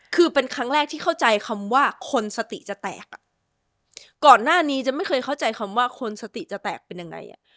คือเป็นครั้งแรกที่เข้าใจคำว่าคนสติจะแตกอ่ะก่อนหน้านี้จะไม่เคยเข้าใจคำว่าคนสติจะแตกเป็นยังไงอ่ะ